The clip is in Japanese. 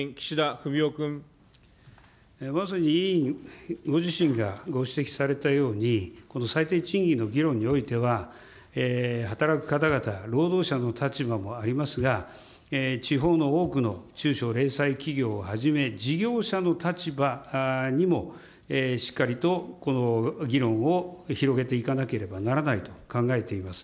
まさに委員ご自身がご指摘されたように、この最低賃金の議論においては、働く方々、労働者の立場もありますが、地方の多くの中小零細企業をはじめ、事業者の立場にもしっかりとこの議論を広げていかなければならないと考えています。